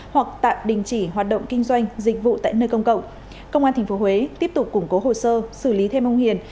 hoặc tạm đình chỉ hoạt động kinh doanh dịch vụ tại nơi công cộng công an tp huế tiếp tục củng cố hồ sơ xử lý thêm ông hiền